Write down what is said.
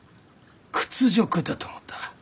屈辱だと思った。